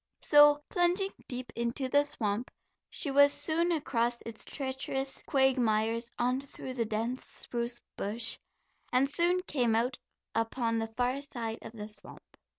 So plunging deep into the swamp, she was soon across its treacherous quagmires, on through the dense spruce bush, and soon came out upon the far side of the swamp.